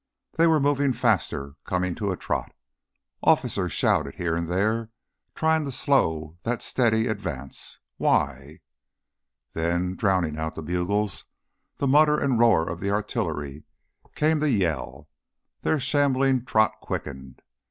They were moving faster, coming to a trot. Officers shouted here and there, trying to slow that steady advance why? Then, drowning out the bugles, the mutter and roar of the artillery, came the Yell. Their shambling trot quickened.